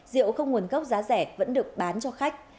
rượu không nguồn gốc giá rẻ vẫn được bán cho khách